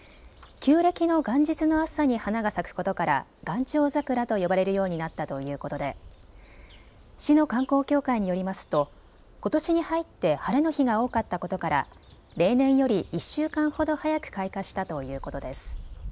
旧暦の元日の朝に花が咲くことから元朝桜と呼ばれるようになったということで市の観光協会によりますとことしに入って晴れの日が多かったことから例年より１週間ほど早く開花したということです。